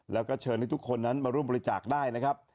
แล้วก็เชิญให้ทุกคนนั้นมาร่วมบริจาคได้นะครับ